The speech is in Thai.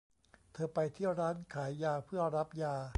เธอไปที่ร้านขายยาเพื่อรับยา